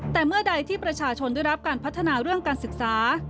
แต่เมื่อใดที่ประชาชนได้รับการพัฒนาเรื่องการศึกษา